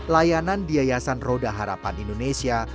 layanan diayasan roda harapan indonesia